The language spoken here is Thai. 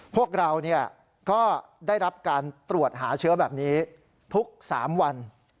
พวกเราก็ได้รับการตรวจหาเชื้อแบบนี้ทุก๓วัน